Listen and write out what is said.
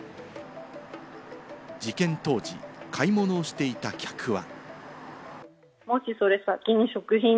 事件当時、買い物をしていた客は。